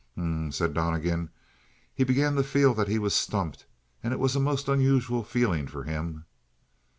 "H'm m," said Donnegan. He began to feel that he was stumped, and it was a most unusual feeling for him.